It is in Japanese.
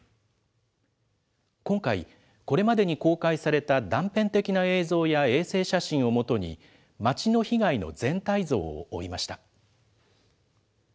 今回、これまでに公開された断片的な映像や衛星写真を基に、町の被害の全体像を追いました。